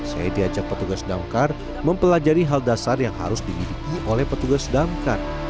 saya diajak petugas damkar mempelajari hal dasar yang harus dimiliki oleh petugas damkar